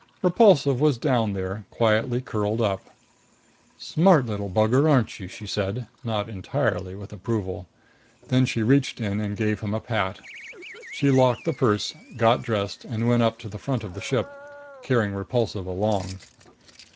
Repulsive was down there, quietly curled up. "Smart little bugger, aren't you?" she said, not entirely with approval. Then she reached in and gave him a pat. She locked the purse, got dressed and went up to the front of the ship, carrying Repulsive along.